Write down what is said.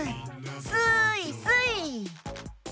スイスイ！